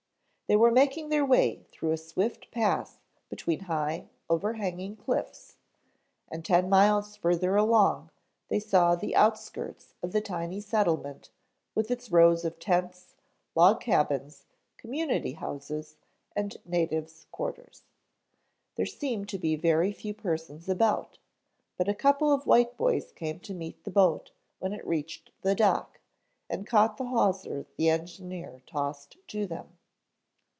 They were making their way through a swift pass between high, overhanging cliffs, and ten miles further along they saw the outskirts of the tiny settlement with its rows of tents, log cabins, community houses, and native's quarters. There seemed to be very few persons about, but a couple of white boys came to meet the boat when it reached the dock, and caught the hawser the engineer tossed to them.